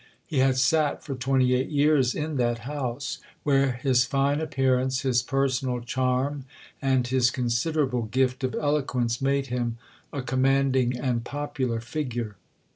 He had sat for twenty eight years in that House, where his fine appearance, his personal charm, and his considerable gift of eloquence made him a commanding and popular figure.